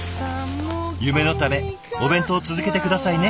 夢のためお弁当続けて下さいね。